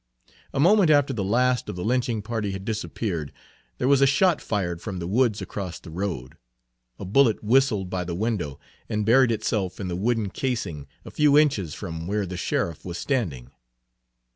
A moment after the last of the lynching party had disappeared there was a shot fired from the woods across the road; a bullet whistled by the window and buried itself in the wooden casing a few inches from where the sheriff was standing.